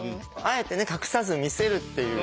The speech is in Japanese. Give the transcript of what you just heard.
あえてね隠さず見せるっていう。